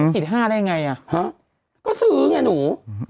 ฉีด๕ได้ยังไงฮะก็ซื้อไงหนู